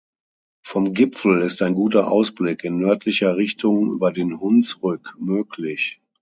Vom Gipfel ist ein guter Ausblick in nördlicher Richtung über den Hunsrück möglich.